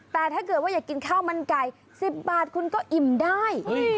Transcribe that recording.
แต่ถ้าเกิดว่าอยากกินข้าวมันไก่๑๐บาทคุณก็อิ่มได้